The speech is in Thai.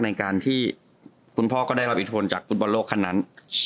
ในการที่คุณพ่อก็ได้รับอิทธนจากฟุตบอลโลกคันนั้น